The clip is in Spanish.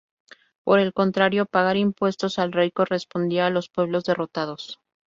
Por el contrario, pagar impuestos al rey correspondía a los pueblos derrotados.